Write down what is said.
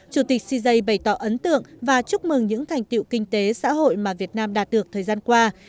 chủ tịch cze bày tỏ ấn tượng và chúc mừng những thành tiệu kinh tế xã hội mà việt nam đạt được thời gian qua